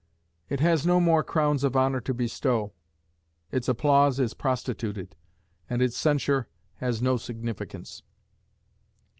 It has no more crowns of honour to bestow; its applause is prostituted, and its censure has no significance.